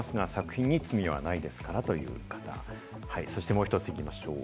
もう１つ行きましょう。